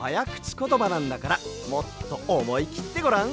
ことばなんだからもっとおもいきってごらん。